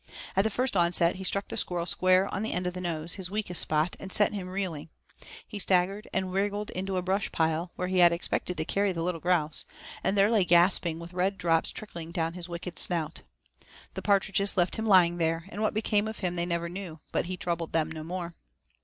At the first onset he struck the squirrel square on the end of the nose, his weakest spot, and sent him reeling; he staggered and wriggled into a brush pile, where he had expected to carry the little grouse, and there lay gasping with red drops trickling down his wicked snout. The partridges left him lying there, and what became of him they never knew, but he troubled them no more.